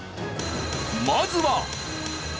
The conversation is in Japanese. まずは。